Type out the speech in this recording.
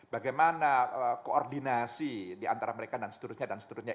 bagaimana koordinasi diantara mereka dan seterusnya dan seterusnya